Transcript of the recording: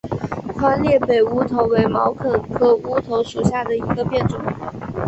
宽裂北乌头为毛茛科乌头属下的一个变种。